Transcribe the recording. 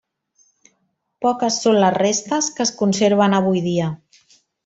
Poques són les restes que es conserven avui dia.